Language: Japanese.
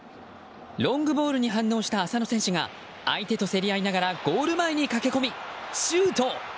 ロングボールに反応した浅野選手が相手と競り合いながらゴール前に駆け込みシュート！